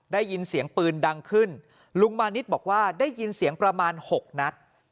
ได้ยินเสียงปืนดังขึ้นลุงมานิดบอกว่าได้ยินเสียงประมาณหกนัด